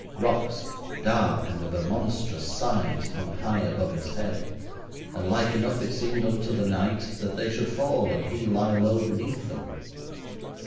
Rocks, dark and of a monstrous size, hung high above his head, and like enough it seemed unto the knight that they should fall and he lie low beneath them.